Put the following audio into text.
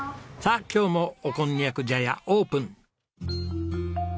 さあ今日もおこんにゃく茶屋オープン！